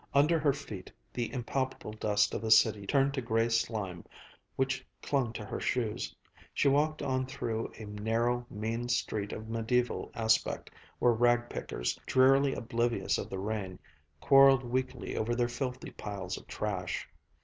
Under her feet the impalpable dust of a city turned to gray slime which clung to her shoes. She walked on through a narrow, mean street of mediaeval aspect where rag pickers, drearily oblivious of the rain, quarreled weakly over their filthy piles of trash.